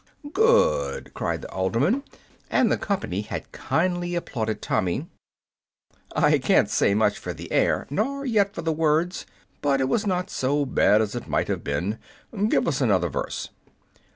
"Good!" cried the alderman, after the company had kindly applauded Tommy. "I can't say much for the air, nor yet for the words; but it was not so bad as it might have been. Give us another verse."